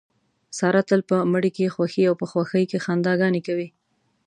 ساره تل په مړي کې خوښي او په خوښۍ کې خندا ګانې کوي.